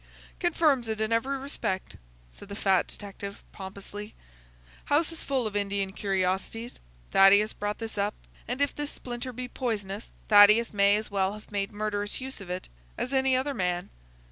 "Confirms it in every respect," said the fat detective, pompously. "House is full of Indian curiosities. Thaddeus brought this up, and if this splinter be poisonous Thaddeus may as well have made murderous use of it as any other man.